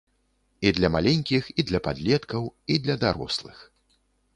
І для маленькіх, і для падлеткаў, і для дарослых.